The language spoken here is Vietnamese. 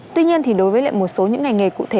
tuy nhiên thì đối với lại một số những ngành nghề cụ thể